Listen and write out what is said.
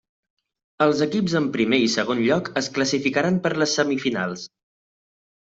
Els equips en primer i segon lloc es classificaran per a les semifinals.